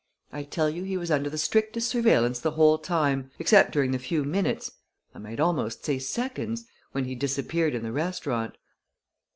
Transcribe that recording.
I tell you he was under the strictest surveillance the whole time, except during the few minutes I might almost say seconds when he disappeared in the restaurant."